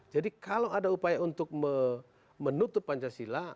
jadi kalau ada upaya untuk menutup pancasila